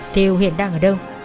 theo hiện đang ở đâu